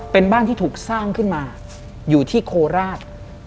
เป็นบ้านที่ถูกสร้างขึ้นมาอยู่ที่โคราช